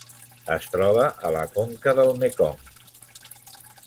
Es troba a la conca del Mekong.